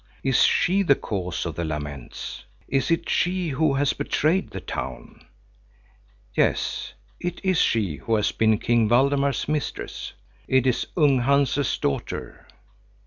Is she the cause of the laments? Is it she who has betrayed the town? Yes, it is she who has been King Valdemar's mistress. It is Ung Hanse's daughter.